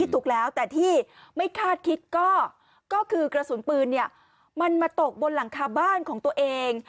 ถูกแล้วแต่ที่ไม่คาดคิดก็คือกระสุนปืนมันมาตกบนหลังคาบ้านของตัวเอง